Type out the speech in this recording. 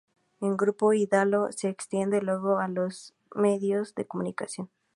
El Grupo Indalo se extiende luego a los medios de comunicación.